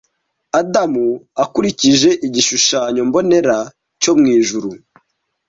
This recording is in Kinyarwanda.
Adamu akurikije igishushanyo mbonera cyo mu ijuru,